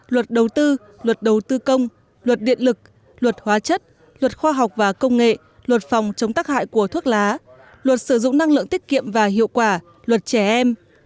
luật đầu tư luật đầu tư công luật điện lực luật hóa chất luật khoa học và công nghệ luật phòng chống tắc hại của thuốc lá luật sử dụng năng lượng tiết kiệm và hiệu quả luật trẻ em